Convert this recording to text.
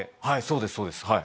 はいそうですそうです。